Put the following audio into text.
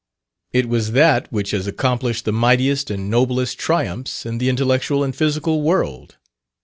It was that which has accomplished the mightiest and noblest triumphs in the intellectual and physical world.